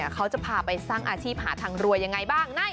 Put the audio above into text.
เขาจะพาไปสร้างอาชีพหาทางรวยยังไงบ้าง